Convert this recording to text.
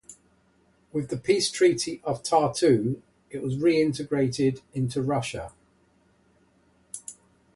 With the Peace Treaty of Tartu it was re-integrated into Russia.